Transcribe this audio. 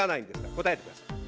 答えてください。